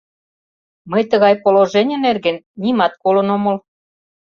Мый тыгай положене нерген нимат колын омыл...